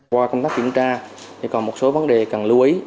qua công tác kiểm tra thì còn một số vấn đề cần lưu ý